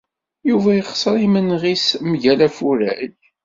Yuba ixṣeṛ imenɣi-s mgal afurray.